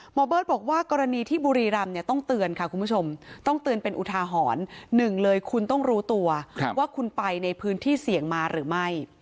เบิร์ตบอกว่ากรณีที่บุรีรำเนี่ยต้องเตือนค่ะคุณผู้ชมต้องเตือนเป็นอุทาหรณ์หนึ่งเลยคุณต้องรู้ตัวว่าคุณไปในพื้นที่เสี่ยงมาหรือไม่